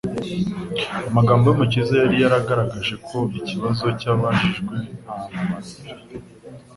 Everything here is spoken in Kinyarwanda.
Amagambo y'Umukiza yari yagaragaje ko ikibazo cyabajijwe nta mumaro gifite,